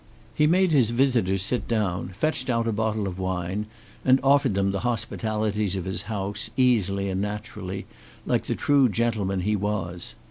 He made his visitors sit down, fetched out a bottle of wine and offered them the hospitalities of his house, easily and naturally, like the true gentleman he was.